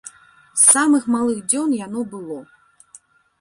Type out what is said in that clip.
З самых малых дзён яно было!